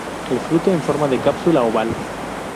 El fruto en forma de cápsula oval.